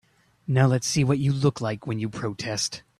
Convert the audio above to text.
Now let's see what you look like when you protest.